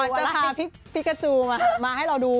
ก่อนจะพากระจูมาให้เราดู